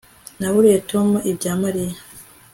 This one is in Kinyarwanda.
Naburiye Tom ibya Mariya